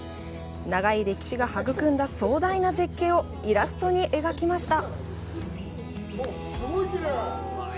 長い歴史が育んだ壮大な絶景をイラストに描きました。